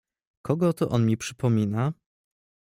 "Kogo to on mi przypomina?"